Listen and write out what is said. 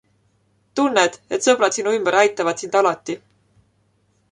Tunned, et sõbrad sinu ümber aitavad sind alati.